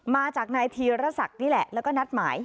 มาจากนายธีรศักดิ์นี่แหละแล้วก็นัดหมาย